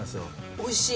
おいしい。